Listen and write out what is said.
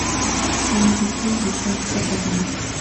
আমি কিছুই বুঝে উঠতে পারিনি।